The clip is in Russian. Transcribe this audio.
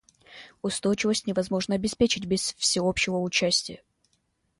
Устойчивость невозможно обеспечить без всеобщего участия.